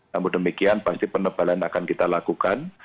namun demikian pasti penebalan akan kita lakukan